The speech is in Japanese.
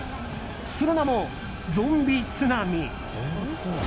その名も、「ゾンビ津波」。